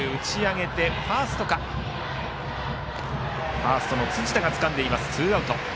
ファーストの辻田がつかんでツーアウト。